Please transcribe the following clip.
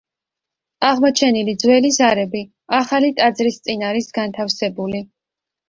აღმოჩენილი ძველი ზარები ახალი ტაძრის წინ არის განთავსებული.